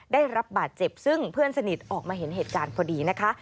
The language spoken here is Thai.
ได้รับบาดเจ็บซึ่งเพื่อนสนิทออกมาเห็นเหตุการณ์พอดีนะคะ